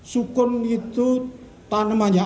sukun itu tanamannya